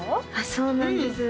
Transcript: そうなんです